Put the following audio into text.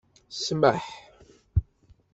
Smaḥ...